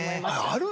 ある！